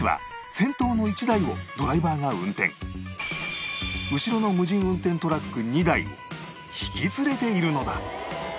実は後ろの無人運転トラック２台を引き連れているのだ！